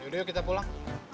yaudah yuk kita pulang